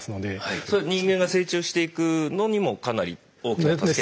それは人間が成長していくのにもかなり大きな助けに。